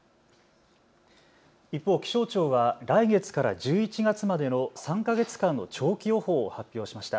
一方、気象庁は来月から１１月までの３か月間の長期予報を発表しました。